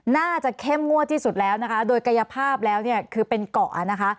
เข้มงวดที่สุดแล้วนะคะโดยกายภาพแล้วเนี่ยคือเป็นเกาะนะคะ